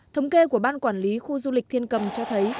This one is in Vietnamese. thống kê của ban quản lý khu du lịch thiên cầm cho thấy